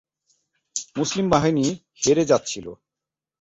মুসলিম বাহিনী হেরে যাচ্ছিল।